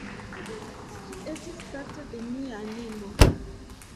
Ĝi estas parto de mia animo.